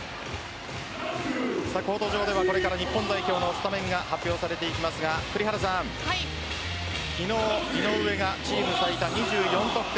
コート上では、これから日本代表のスタメンが発表されてきますが栗原さん昨日井上がチーム最多２４得点